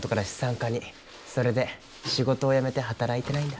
それで仕事を辞めて働いてないんだ。